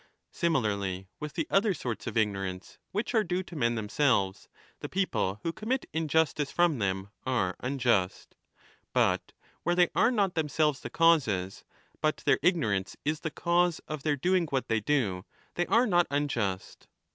35 Similarly with the other sorts of ignorance which are due to men themselves, the people who commit injustice from them are unjust. But where they are not themselves the causes, but their ignorance is the cause of their doing what they do, they are not unjust.